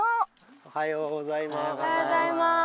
おはようございます。